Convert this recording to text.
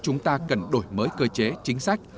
chúng ta cần đổi mới cơ chế chính sách